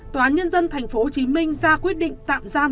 tòa án nhân dân tp hcm ra quyết định tạm giam